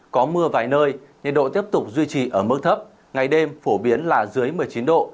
có mưa vài nơi nhiệt độ tiếp tục duy trì ở mức thấp ngày đêm phổ biến là dưới một mươi chín độ